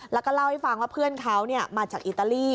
แล้วก็เล่าให้ฟังว่าเพื่อนเขามาจากอิตาลี